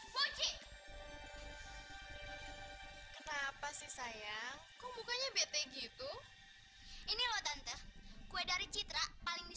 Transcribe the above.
kami menunjukkan perhitungan